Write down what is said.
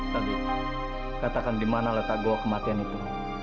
tadi katakan di mana letak gol kematian itu